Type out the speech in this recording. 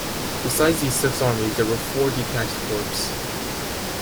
Besides these six armies there were four detached corps.